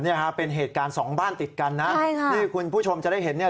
อ๋อเนี่ยเป็นเหตุการณ์สองบ้านติดกันนะคุณผู้ชมจะได้เห็นเนี่ย